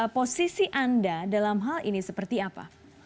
posisi anda dalam hal ini seperti apa